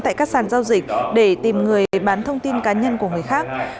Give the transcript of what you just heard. tại các sàn giao dịch để tìm người bán thông tin cá nhân của người khác